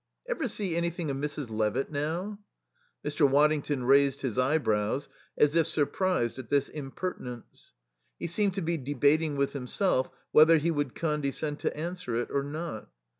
"Ever see anything of Mrs. Levitt now?" Mr. Waddington raised his eyebrows as if surprised at this impertinence. He seemed to be debating with himself whether he would condescend to answer it or not.